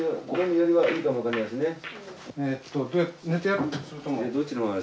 これだね。